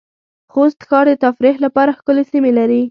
خوست ښار د تفریح لپاره ښکلې سېمې لرې